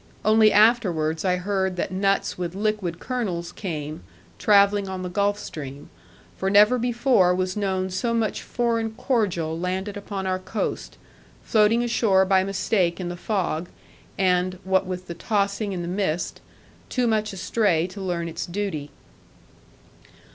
Only afterwards I heard that nuts with liquid kernels came, travelling on the Gulf stream; for never before was known so much foreign cordial landed upon our coast, floating ashore by mistake in the fog, and (what with the tossing and the mist) too much astray to learn its duty.